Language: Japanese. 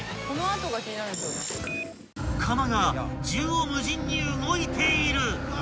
［釜が縦横無尽に動いている！］